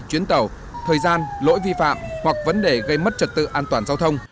chuyến tàu thời gian lỗi vi phạm hoặc vấn đề gây mất trật tự an toàn giao thông